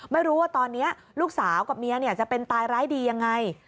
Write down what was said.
ไม่รู้ว่าตอนนี้ลูกสาวกับเมียจะเป็นตายร้ายดียังไง